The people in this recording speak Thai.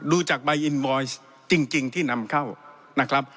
ดูจากใบอินบอยซ์จริงที่นำเข้านะครับ